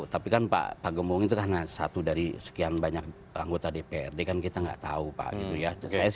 tapi kan pak gembong itu karena satu dari sekian banyak anggota dprd kan kita nggak tahu pak gitu ya